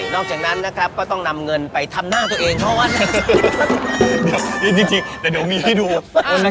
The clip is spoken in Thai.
นอกจากนั้นนะครับก็ต้องนำเงินไปทำหน้าตัวเอง